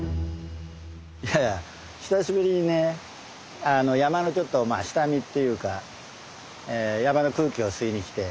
いや久しぶりにねあの山のちょっとまあ下見っていうか山の空気を吸いに来て。